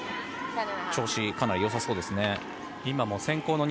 調子はかなりよさそうですね。